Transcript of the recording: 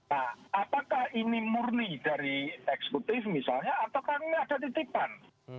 nah apakah ini murni dari eksekutif misalnya atau karena ini ada titipan